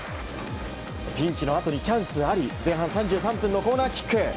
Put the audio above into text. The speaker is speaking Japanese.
ピンチのあとにチャンスがあり前半３３分のコーナーキック。